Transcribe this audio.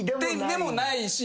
でもないし。